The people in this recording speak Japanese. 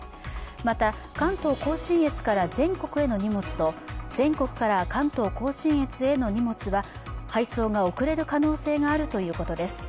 また、関東甲信越から全国への荷物と全国から関東甲信越への荷物は配送が遅れる可能性があるということです。